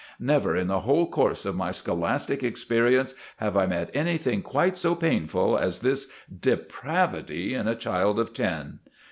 Never in the whole course of my scholastic experience have I met anything quite so painful as this depravity in a child of ten.